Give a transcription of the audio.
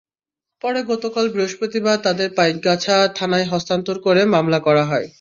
পরে গতকাল বৃহস্পতিবার তাঁদের পাইকগাছা থানায় হস্তান্তর করে মামলা করা হয়।